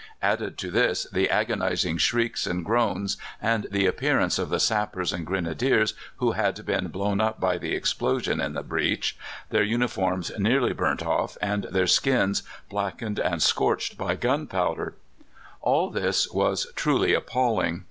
Added to this the agonizing shrieks and groans and the appearance of the sappers and Grenadiers who had been blown up by the explosion in the breach, their uniforms nearly burnt off, and their skins blackened and scorched by gunpowder all this was truly appalling.